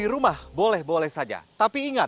rumah basah terdekat